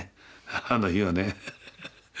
あの日はね。